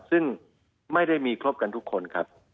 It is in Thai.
ซึ่งไม่ได้มีครบกันทุกคนครับ